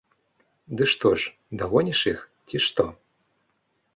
Ды што ж, дагоніш іх, ці што?